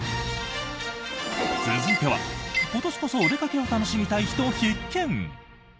続いては、今年こそお出かけを楽しみたい人必見。